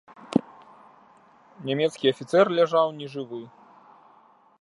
Нямецкі афіцэр ляжаў нежывы.